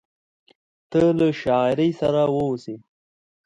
ته له شاعري سره واوسې…